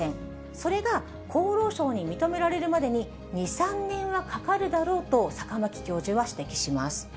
それが厚労省に認められるまでに２、３年はかかるだろうと坂巻教授は指摘します。